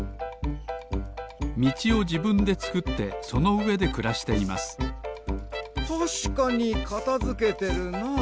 みちをじぶんでつくってそのうえでくらしていますたしかにかたづけてるなあ。